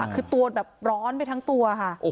คือตัวแบบร้อนไปทั้งตัวค่ะ